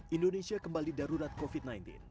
indonesia kembali darurat covid sembilan belas